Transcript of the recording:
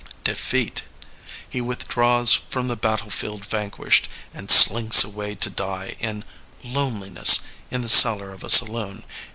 Defeat. He withdraws from the battlefield vanquished, and slinks away to die in loneliness" in the cellar of a saloon.